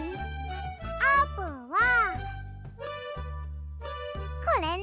あーぷんはこれね。